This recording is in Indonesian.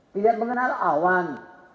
tidak mengenal awan